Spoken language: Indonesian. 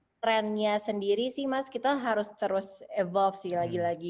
jadi kalau misalkan trennya sendiri sih mas kita harus terus evolve lagi lagi